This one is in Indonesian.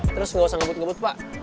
terus nggak usah ngebut ngebut pak